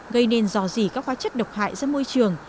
gây nên dò dỉ các hóa chất độc hại ra môi trường